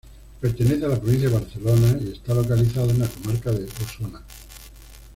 Pertenece a la provincia de Barcelona, y está localizado en la comarca de Osona.